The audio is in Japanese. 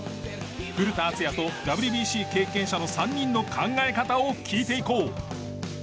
古田敦也とＷＢＣ経験者の３人の考え方を聞いていこう。